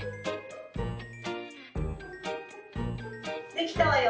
「できたわよ」。